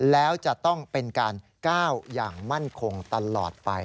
แล้วจะต้องเป็นการก้าวอย่างมั่นคงตลอดไป